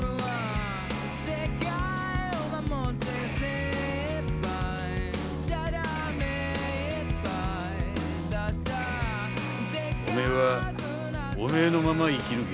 おめえはおめえのまま生き抜け。